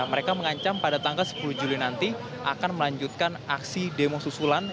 mereka mengancam pada tanggal sepuluh juli nanti akan melanjutkan aksi demo susulan